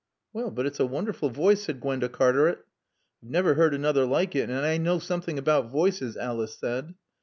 "Well but it's a wonderful voice," said Gwenda Cartaret. "I've never heard another like it, and I know something about voices," Alice said.